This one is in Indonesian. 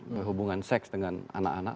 berhubungan seks dengan anak anak